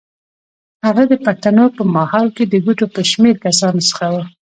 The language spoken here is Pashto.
هغه د پښتنو په ماحول کې د ګوتو په شمېر کسانو څخه و.